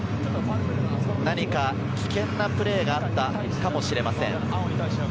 危険なプレーがあったかもしれません。